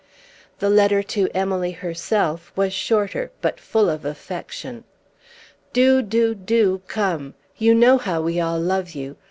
The letter to Emily herself was shorter but full of affection. "Do, do, do come. You know how we all love you.